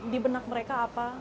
dibenak mereka apa